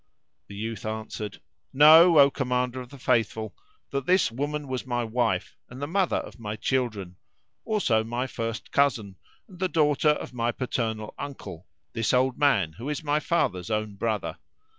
The youth answered, "Know, O Commander of the Faithful, that this woman was my wife and the mother of my children; also my first cousin and the daughter of my paternal uncle, this old man who is my father's own brother.